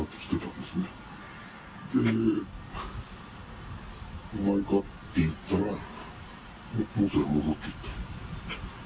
で、お前か？って言ったら、元へ戻っていった。